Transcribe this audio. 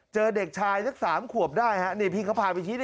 เจอเด็กชายนัก๓ขวบได้นี่พี่เขาพาไปคิด